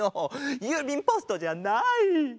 ゆうびんポストじゃない！